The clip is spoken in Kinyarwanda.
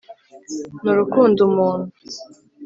ni urukundo umuntu